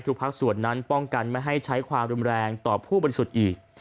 ภาคส่วนนั้นป้องกันไม่ให้ใช้ความรุนแรงต่อผู้บริสุทธิ์อีก